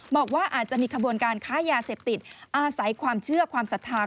บอกว่าอาจจะมีขบวนการค้ายาเสพติดอาศัยความเชื่อความศรัทธา